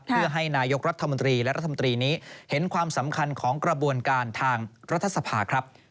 เพื่อให้นายกรัฐมนตรีและรัฐมนตรีนี้เห็นความสำคัญของกระบวนการทางรัฐสภาครับ